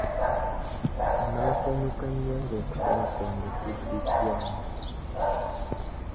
Naasanyuka nnyo nga okusaba kwange kuddiddwamu.